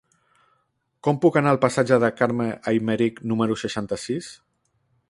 Com puc anar al passatge de Carme Aymerich número seixanta-sis?